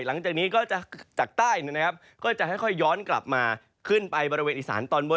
หลังจากนี้ก็จะจากใต้นะครับก็จะค่อยย้อนกลับมาขึ้นไปบริเวณอีสานตอนบน